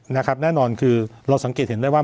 แน่นอนคือเราสังเกตเห็นได้ว่า